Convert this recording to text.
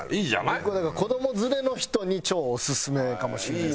僕はだから子ども連れの人に超オススメかもしれないです。